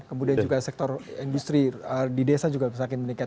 kemudian juga sektor industri di desa juga semakin meningkat